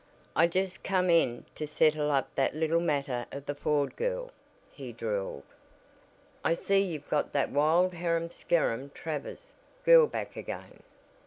"I just come in to settle up that little matter of the Ford girl," he drawled. "I see you've got that wild harum scarum Travers' girl back again."